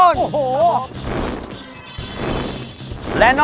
น้ำ